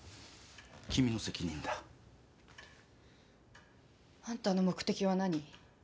君の責任だ。あんたの目的は何？